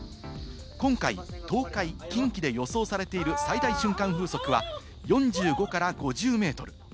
今回、東海・近畿で予想されている最大瞬間風速は、４５から５０メートル。